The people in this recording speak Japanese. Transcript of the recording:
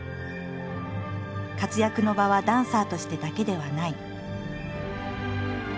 活躍の場はダンサーとしてだけではない。